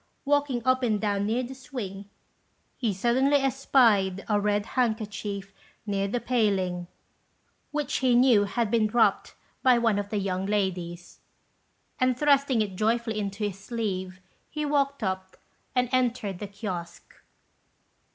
Walking up and down near the swing, he suddenly espied a red handkerchief near the paling, which he knew had been dropped by one of the young ladies; and, thrusting it joyfully into his sleeve, he walked up and entered the kiosque.